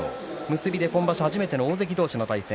結びは今場所初めての大関同士の対戦。